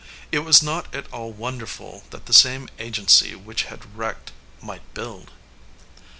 It was not at all wonderful that the same agency which had wrecked might build.